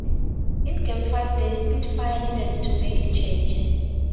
In game five, the Spitfires needed to make a change.